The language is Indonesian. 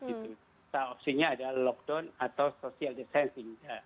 kita opsinya adalah lockdown atau social distancing